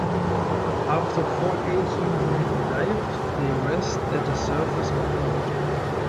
After foraging during a dive, they rest at the surface of the water.